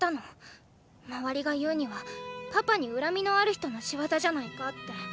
周りが言うにはパパに恨みのある人の仕業じゃないかって。